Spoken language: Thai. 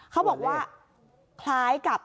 เขาบอกว่าคล้ายกับ